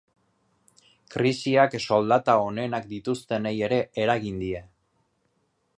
Krisiak soldata onenak dituztenei ere eragin die.